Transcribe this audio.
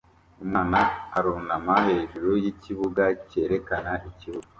Umwana arunama hejuru yikibuga cyerekana ikibuga